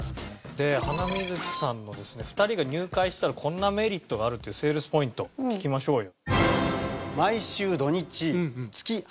ではなみずきさんのですね２人が入会したらこんなメリットがあるというセールスポイント聞きましょうよ。